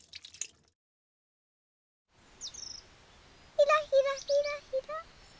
ひらひらひらひら。